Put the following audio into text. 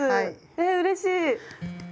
えうれしい！